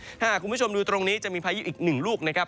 ถ้าหากคุณผู้ชมดูตรงนี้จะมีพายุอีกหนึ่งลูกนะครับ